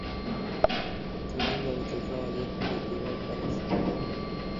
তিনি গণিতে সহজাত প্রতিভা প্রদর্শন করেন।